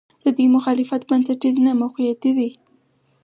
د دوی مخالفت بنسټیز نه، موقعتي دی.